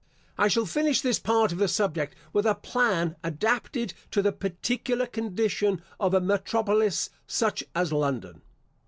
I shall finish this part of the subject with a plan adapted to the particular condition of a metropolis, such as London.